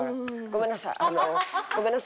ごめんなさいね。